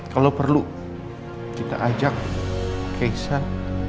kalau perlu kita ajak kaisang